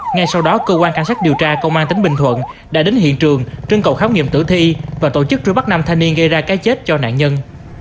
ngay sau đó cơ quan cảnh sát điều tra công an tỉnh bình thuận đã đến hiện trường trưng cầu khám nghiệm tử thi và tổ chức truy bắt năm thanh niên gây ra cái chết cho nạn nhân